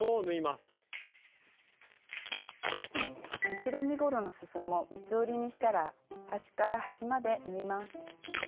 後ろ身ごろのすそも三つ折りにしたら端から端まで縫います。